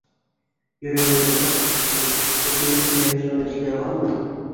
Йөрәгеңде таш иттең, Кеше ни теләһә, шуны эшләй аламы?